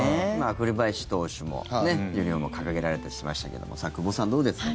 栗林投手もユニホーム掲げられたりしましたけども久保さん、どうですか？